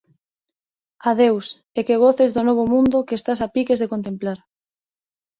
Adeus, e que goces do Novo Mundo que estás a piques de contemplar.